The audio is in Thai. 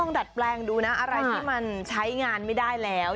ดัดแปลงดูนะอะไรที่มันใช้งานไม่ได้แล้ว